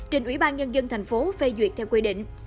trên ủy ban nhân dân tp hcm phê duyệt theo quy định